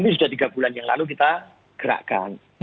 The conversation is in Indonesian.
ini sudah tiga bulan yang lalu kita gerakkan